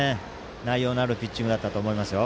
内容のあるピッチングだったと思いますよ。